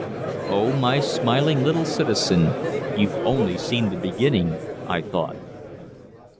"Oh my smiling little citizen you've only seen the beginning," I thought.